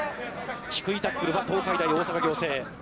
低いタックルは東海大大阪仰星。